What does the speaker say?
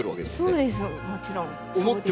そうですね。